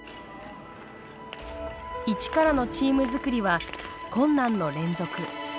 一からのチームづくりは困難の連続。